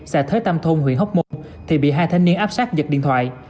xã thới tam thôn huyện hóc môn thì bị hai thanh niên áp sát giật điện thoại